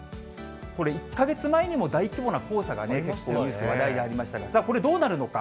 これ１か月前にも大規模な黄砂がニュースで話題になりましたが、さあ、これどうなるのか。